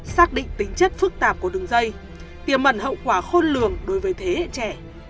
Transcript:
xác định tính chất phức tạp của đường dây tiềm mẩn hậu quả khôn lường đối với thế hệ trẻ